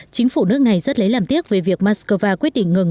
chính phủ nước này rất lấy làm tiếc về việc moscow quyết định ngừng